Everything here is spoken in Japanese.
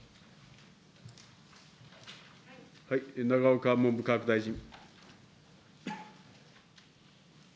永岡文部科学大臣。